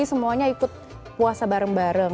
semuanya ikut puasa bareng bareng